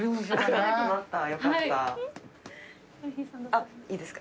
あっいいですか？